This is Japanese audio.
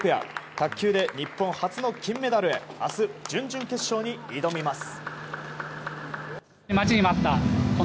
卓球で日本初の金メダルへ明日、準々決勝に挑みます。